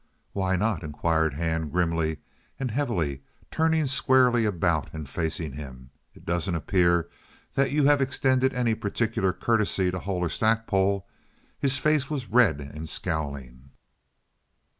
"Why not?" inquired Hand, grimly and heavily, turning squarely about and facing him. "It doesn't appear that you have extended any particular courtesy to Hull or Stackpole." His face was red and scowling.